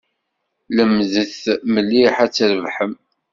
Lemdet mliḥ ad trebḥem.